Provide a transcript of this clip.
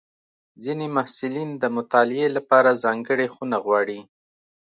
ځینې محصلین د مطالعې لپاره ځانګړې خونه غواړي.